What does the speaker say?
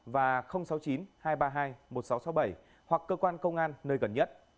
năm nghìn tám trăm sáu mươi và sáu mươi chín nghìn hai trăm ba mươi hai một nghìn sáu trăm sáu mươi bảy hoặc cơ quan công an nơi gần nhất